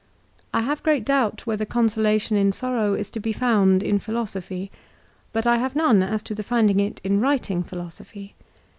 I have great doubt whether consolation in sorrow is to be found in philosophy, but I have none as to the finding it in writing philosophy.